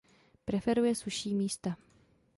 Preferuje sušší místa.